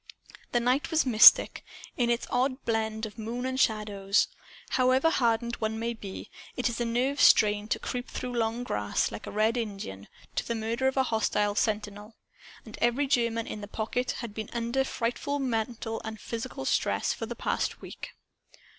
The night was mystic, in its odd blend of moon and shadows. However hardened one may be, it is a nerve strain to creep through long grass, like a red Indian, to the murder of a hostile sentinel. And every German in the "Pocket" had been under frightful mental and physical stress, for the past week.